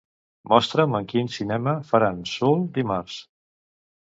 Mostra'm en quin cinema faran "Soul" dimarts.